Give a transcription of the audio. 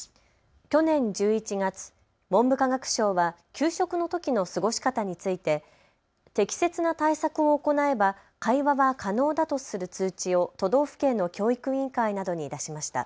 去年１１月、文部科学省は給食のときの過ごし方について適切な対策を行えば会話は可能だとする通知を都道府県の教育委員会などに出しました。